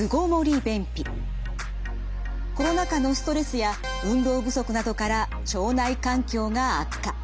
コロナ禍のストレスや運動不足などから腸内環境が悪化。